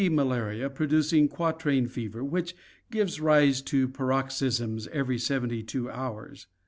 malaria, producing quatrain fever which gives rise to paroxysms every seventy two hours.